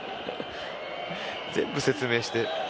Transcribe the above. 全部説明して。